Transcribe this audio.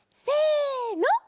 せの。